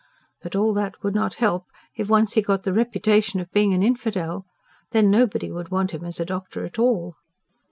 But all that would not help, if once he got the reputation of being an infidel. Then, nobody would want him as a doctor at all.